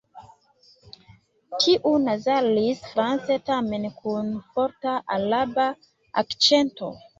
Tiu nazalis France tamen kun forta Araba akĉento.